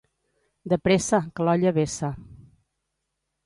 De pressa, que l'olla vessa.